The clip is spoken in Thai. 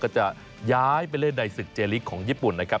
จะย้ายไปเล่นในศึกเจลิกของญี่ปุ่นนะครับ